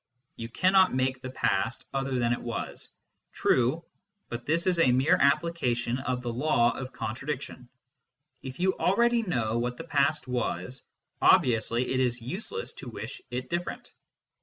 You cannot make the past other than it was true, but this is a mere application of the law of contradiction. If you already know what the past was, obviously it is use less to wish it different.